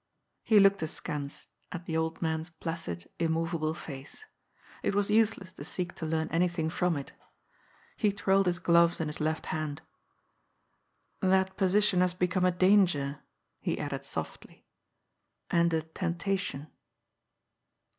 He looked askance at the old man's placid, immovable face. It was useless to seek to learn anything from it. He twirled his gloves in his left hand. "That position has become a danger," he added softly, " and a temptation."